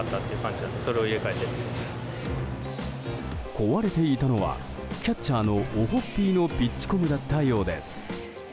壊れていたのはキャッチャーのオホッピーのピッチコムだったようです。